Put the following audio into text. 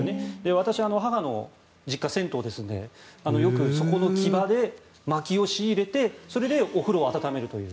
私の母の実家が銭湯ですのでよくそこの木場でまきを仕入れてそれでお風呂を温めるという。